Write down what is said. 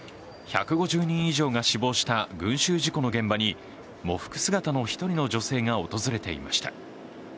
１５０人以上が死亡した群集事故の現場に喪服姿の１人の女性が訪れていました。